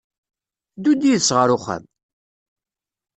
Ddu-d yid-s ɣer uxxam!